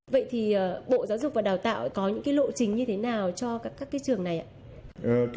vậy thì bộ giáo dục và đào tạo có những cái lộ trình như thế nào cho các cái trường này ạ